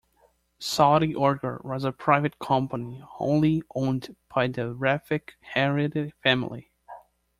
Saudi Oger was a private company, wholly owned by the Rafik Hariri family.